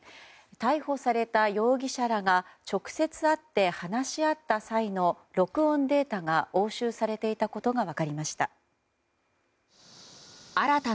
逮捕された容疑者らが直接会って話し合った際の録音データが押収されていたことが分かりました。